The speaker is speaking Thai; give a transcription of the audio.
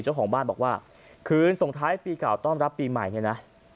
เจ้าของบ้านบอกว่าคืนส่งท้ายปีเก่าต้อนรับปีใหม่เนี่ยนะ